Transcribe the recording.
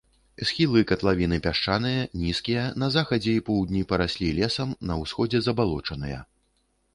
Схілы катлавіны пясчаныя, нізкія, на захадзе і поўдні параслі лесам, на ўсходзе забалочаныя.